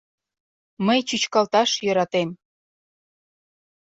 Мый чӱчкалташ йӧратем.